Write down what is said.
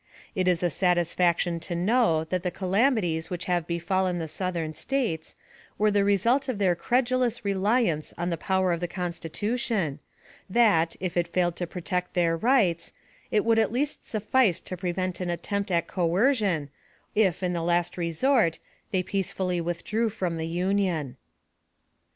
It is a satisfaction to know that the calamities which have befallen the Southern States were the result of their credulous reliance on the power of the Constitution, that, if it failed to protect their rights, it would at least suffice to prevent an attempt at coercion, if, in the last resort, they peacefully withdrew from the Union.